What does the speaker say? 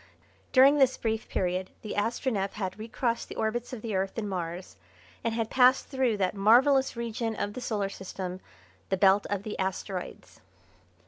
During this brief period the Astronef had recrossed the orbits of the Earth and Mars and had passed through that marvellous region of the Solar System, the Belt of the Asteroides.